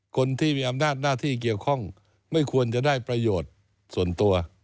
คนที่มีอำนาจหน้าที่เกี่ยวข้องไม่ควรจะได้ประโยชน์ส่วนตัว